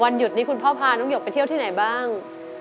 หยุดนี้คุณพ่อพาน้องหยกไปเที่ยวที่ไหนบ้าง